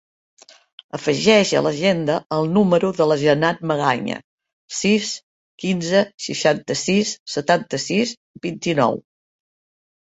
Afegeix a l'agenda el número de la Janat Magaña: sis, quinze, seixanta-sis, setanta-sis, vint-i-nou.